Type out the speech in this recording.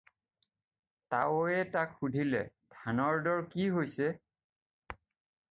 "তাৱৈয়েকে তাক সুধিলে, "ধানৰ দৰ কি হৈছে?"